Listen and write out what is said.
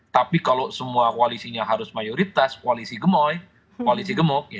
tapi kalau semua koalisinya harus mayoritas koalisi gemoy koalisi gemuk